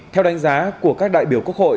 theo đánh giá của các đại biểu quốc hội